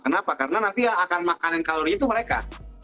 kenapa karena nanti akan makanan kalori itu mereka